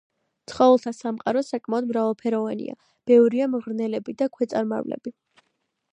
ცხოველთა სამყარო საკმაოდ მრავალფეროვანია: ბევრია მღრღნელები და ქვეწარმავლები.